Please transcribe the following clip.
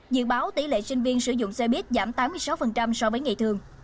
dự báo tỷ lệ sinh viên sử dụng xe buýt giảm tám mươi sáu so với ngày thường